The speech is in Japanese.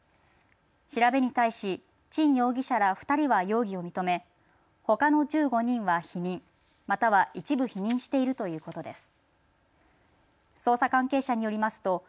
調べに対し陳容疑者ら２人は容疑を認め、ほかの１５人は否認、または一部否認しているということです。